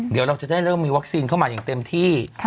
เดี๋ยวเราจะได้เริ่มมีวัคซีนเข้ามาอย่างเต็มที่